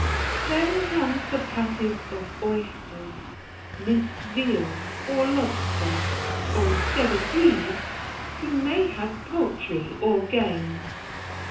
Then come the patties of oysters, minced veal, or lobster; or, instead of these, you may have poultry or game.